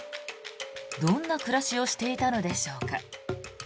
どんな暮らしをしていたのでしょうか。